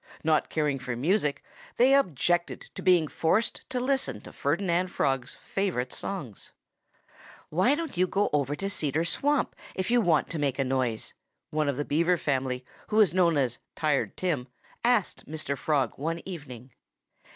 Not caring for music, they objected to being forced to listen to Ferdinand Frog's favorite songs. "Why don't you go over to Cedar Swamp, if you want to make a noise?" one of the Beaver family who was known as Tired Tim asked Mr. Frog one evening.